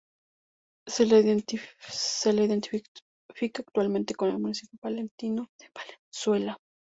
Se la identifica habitualmente con el municipio palentino de Palenzuela.